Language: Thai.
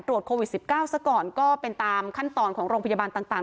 โควิด๑๙ซะก่อนก็เป็นตามขั้นตอนของโรงพยาบาลต่าง